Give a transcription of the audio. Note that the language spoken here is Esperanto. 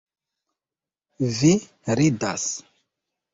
Vi ridas!